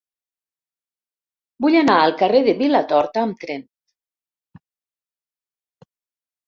Vull anar al carrer de Vilatorta amb tren.